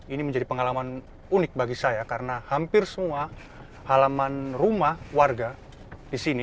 ini menjadi pengalaman unik bagi saya karena hampir semua halaman rumah warga di sini